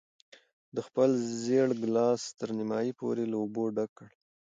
ده خپل زېړ ګیلاس تر نیمايي پورې له اوبو ډک کړ.